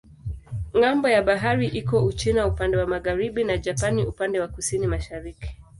Ng'ambo ya bahari iko Uchina upande wa magharibi na Japani upande wa kusini-mashariki.